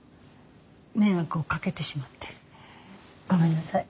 迷惑をかけてしまってごめんなさい。